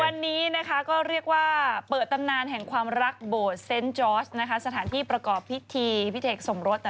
วันนี้เรียกว่าเปิดตำนานแห่งความรักโบสถ์เซ็นต์จอร์สสถานที่ประกอบพิธีเศรษฐกรรมสมรส